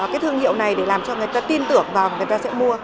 cái thương hiệu này để làm cho người ta tin tưởng vào người ta sẽ mua